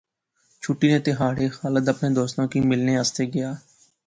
چُھٹی نے تہاڑے خالد اپنے دوستا کی ملنے آسطے گیا